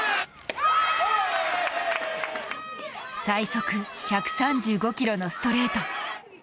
最速１３５キロのストレート。